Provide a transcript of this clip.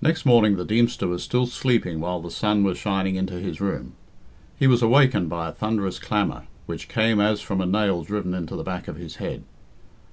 Next morning the Deemster was still sleeping while the sun was shining into his room. He was awakened by a thunderous clamour, which came as from a nail driven into the back of his head.